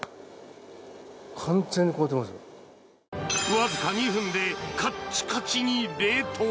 わずか２分でカッチカチに冷凍！